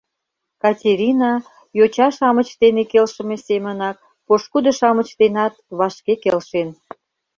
Катерина, йоча-шамыч дене келшыме семынак, пошкудо-шамыч денат вашке келшен.